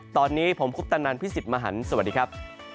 ตอนนี้ผมคุปตะนันพี่สิทธิ์มหันฯสวัสดีครับ